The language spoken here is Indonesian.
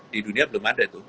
di dunia belum ada tuh